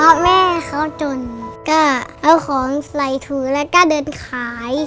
เพราะแม่เขาจนก็เอาของใส่ถูแล้วก็เดินขาย